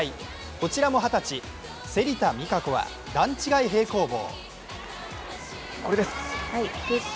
こちらも二十歳、芹田未果子は段違い平行棒。